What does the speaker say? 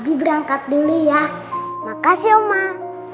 abi berangkat dulu ya makasih omang